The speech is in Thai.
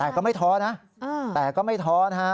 แต่ก็ไม่ท้อนะแต่ก็ไม่ท้อนะฮะ